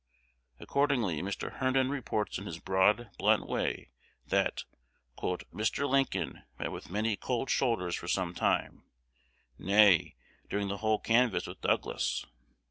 Accordingly, Mr. Herndon reports in his broad, blunt way, that "Mr. Lincoln met with many cold shoulders for some time, nay, during the whole canvass with Douglas."